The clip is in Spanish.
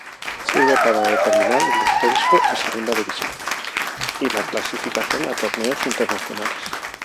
Sirve para determinar el descenso a Segunda División y la clasificación a torneos internacionales.